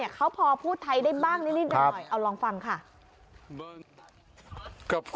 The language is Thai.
เขาพอพูดไทยได้บ้างนิดหน่อยเอาลองฟังค่ะ